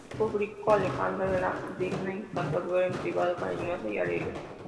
En público, Alejandra era digna y encantadora, en privado, cariñosa y alegre.